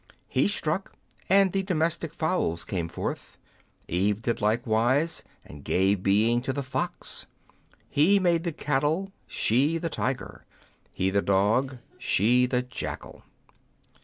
He struck, and the domestic fowls came forth. Eve did likewise, and gave being to the fox. He made the cattle, she the tiger ; he the dog, she the jackal.